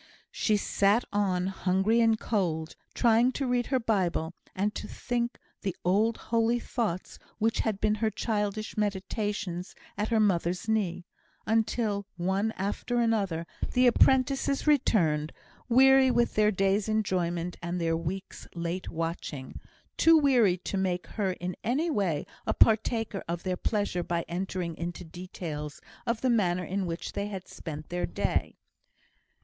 She sat on, hungry and cold, trying to read her Bible, and to think the old holy thoughts which had been her childish meditations at her mother's knee, until one after another the apprentices returned, weary with their day's enjoyment, and their week's late watching; too weary to make her in any way a partaker of their pleasure by entering into details of the manner in which they had spent their day.